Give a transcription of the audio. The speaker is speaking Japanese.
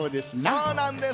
そうなんです。